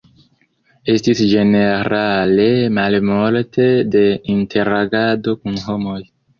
Estis ĝenerale malmulte de interagado kun homoj.